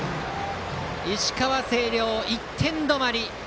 石川・星稜、１点止まり。